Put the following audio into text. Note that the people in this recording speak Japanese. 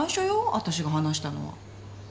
私が話したのは。